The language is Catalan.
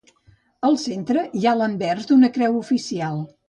Al centre hi ha l'anvers d'una creu d'oficial.